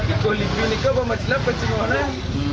ikut lipi ini ke bawa majalah pecegok deh